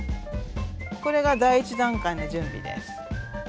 これが第１段階の準備です。